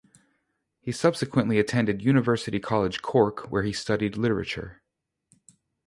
He subsequently attended University College Cork where he studied literature.